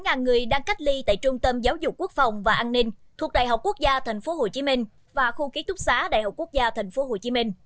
gần ba người đang cách ly tại trung tâm giáo dục quốc phòng và an ninh thuộc đại học quốc gia tp hcm và khu ký túc xá đại học quốc gia tp hcm